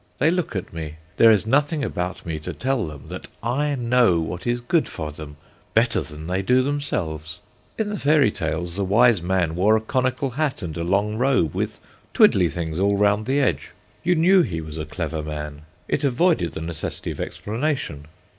They look at me. There is nothing about me to tell them that I know what is good for them better than they do themselves. In the fairy tales the wise man wore a conical hat and a long robe with twiddly things all round the edge. You knew he was a clever man. It avoided the necessity of explanation.